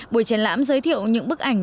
buổi triển lãm giới thiệu những bức ảnh